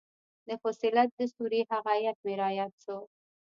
د فصلت د سورې هغه ايت مې راياد سو.